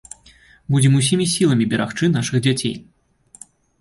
Будзем усімі сіламі берагчы нашых дзяцей!